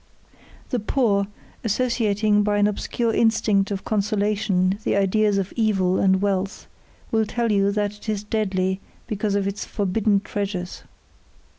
The poor, associating by an obscure instinct of consolation the ideas of evil and wealth, will tell you that it is deadly because of its forbidden treasures.